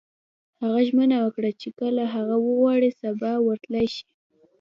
هغه ژمنه وکړه چې که هغه وغواړي سبا ورتلای شي